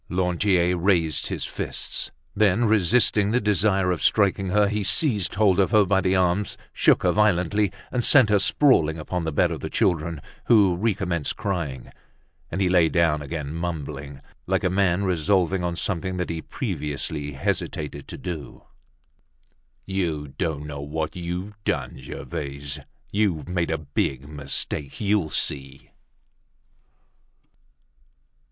Lantier raised his fists; then, resisting the desire of striking her, he seized hold of her by the arms, shook her violently and sent her sprawling upon the bed of the children, who recommenced crying. And he lay down again, mumbling, like a man resolving on something that he previously hesitated to do: "You don't know what you've done, Gervaise. You've made a big mistake; you'll see."